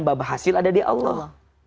baba hasil ada di allah